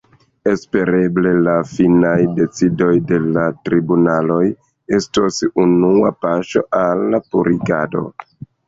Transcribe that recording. Espereble la finaj decidoj de la tribunaloj estos unua paŝo al purigado.